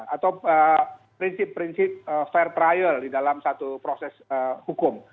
atau prinsip prinsip fair trial di dalam satu proses hukum